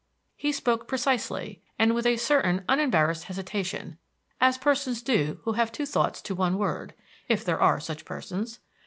He spoke precisely, and with a certain unembarrassed hesitation, as persons do who have two thoughts to one word, if there are such persons.